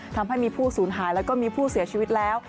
ทำให้มีผู้สูญหายแล้วก็มีผู้เสียชีวิตแล้ว